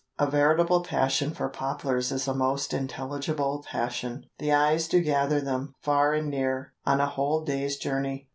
A veritable passion for poplars is a most intelligible passion. The eyes do gather them, far and near, on a whole day's journey.